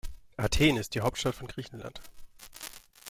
Athen ist die Hauptstadt von Griechenland.